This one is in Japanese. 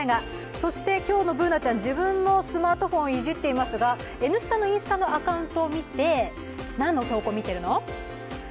そして、今日のＢｏｏｎａちゃん、自分のスマートフォンをいじっていますが、「Ｎスタ」のインスタのアカウントを見て何の投稿を見てるの？